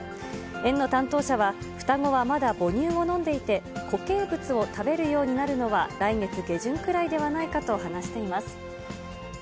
園の担当者は、双子はまだ母乳を飲んでいて、固形物を食べるようになるのは来月下旬くらいではないかと話しています。